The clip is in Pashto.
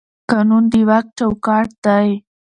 قانون د واک چوکاټ دی